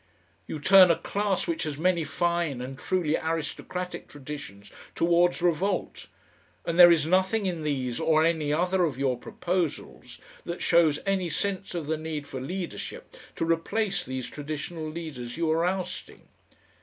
You turn a class which has many fine and truly aristocratic traditions towards revolt, and there is nothing in these or any other of your proposals that shows any sense of the need for leadership to replace these traditional leaders you are ousting.